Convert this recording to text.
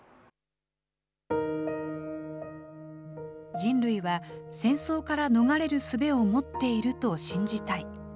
人類は戦争から逃れる術を持っていると信じたい。